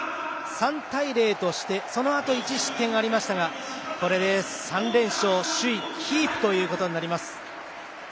３対０としてそのあと１失点ありましたがこれで３連勝首位キープとなります。